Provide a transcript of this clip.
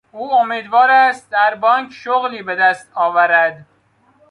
او امیدوار است در بانک شغلی به دست آورد.